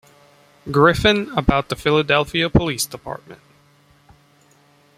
Griffin about the Philadelphia Police Department.